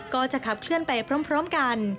ก็จะขับเคลื่อนไปพร้อมกัน